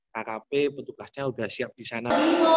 kkp petugasnya sudah siap di sana